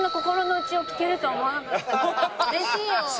うれしい。